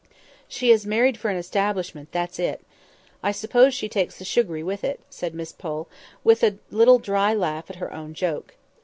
"She has married for an establishment, that's it. I suppose she takes the surgery with it," said Miss Pole, with a little dry laugh at her own joke.